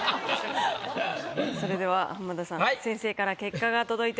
それでは浜田さん先生から結果が届いております。